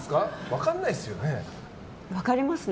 分かんないですよね。